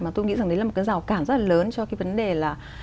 mà tôi nghĩ rằng đấy là một cái rào cản rất là lớn cho cái vấn đề là